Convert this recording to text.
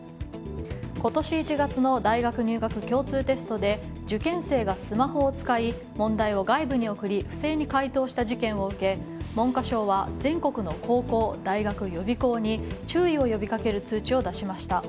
今年１月の大学入学共通テストで受験生がスマホを使い問題を外部に送り不正に解答した事件を受け文科省は全国の高校、大学予備校に注意を呼びかける通知を出しました。